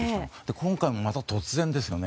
今回もまた突然ですよね。